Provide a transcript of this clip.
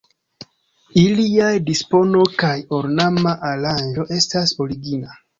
Iliaj dispono kaj ornama aranĝo estas origina.